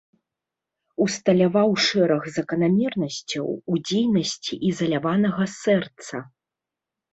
Усталяваў шэраг заканамернасцяў у дзейнасці ізаляванага сэрца.